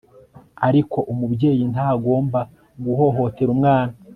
ariko umubyeyi ntagomba guhohotera umwana